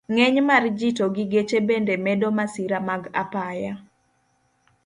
Ng'eny mar ji to gi geche bende medo masira mag apaya.